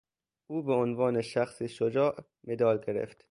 او به عنوان شخصی شجاع، مدال گرفت